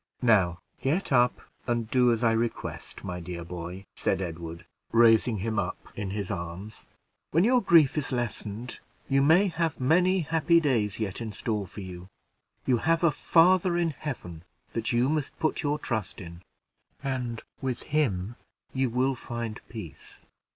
"Now get up, and do as I request, my dear boy," said Edward, raising him up in his arms; "when your grief is lessened, you may have many happy days yet in store for you; you have a Father in heaven that you must put your trust in, and with him you will find peace."